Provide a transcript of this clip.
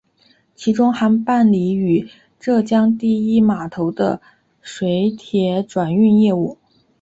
其中还办理与浙江第一码头的水铁转运业务。